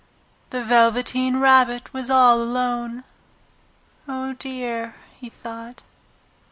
The Velveteen Rabbit was all alone. "Oh, dear!" he thought.